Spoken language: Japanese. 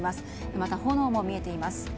また、炎も見えています。